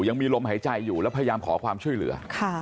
ยังมีลมหายใจอยู่แล้วพยายามขอความช่วยเหลือ